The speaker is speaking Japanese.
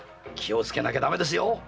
気をつけなきゃ駄目ですよ。